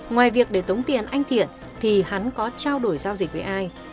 ngoài việc để tống tiền anh thiện thì hắn có trao đổi giao dịch với ai